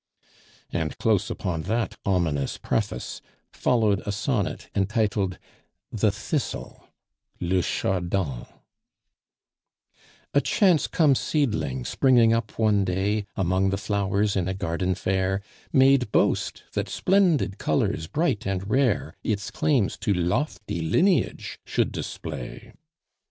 And close upon that ominous preface followed a sonnet entitled "The Thistle" (le Chardon): A chance come seedling, springing up one day Among the flowers in a garden fair, Made boast that splendid colors bright and rare Its claims to lofty lineage should display.